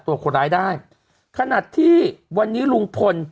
ตัวคนร้ายได้ขณะที่วันนี้ลุงพล